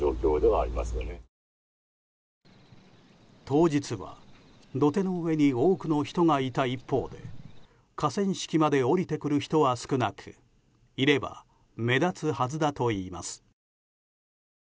当日は土手の上に多くの人がいた一方で河川敷まで下りてくる人は少なくいれば目立つはずだといいます。